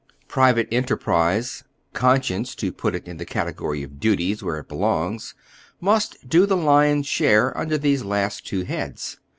Private en tei'prise— conscience, to put it in thecategory of duties, where it belongs — must do the lion's share un der these last two heads.